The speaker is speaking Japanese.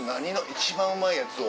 一番うまいやつを。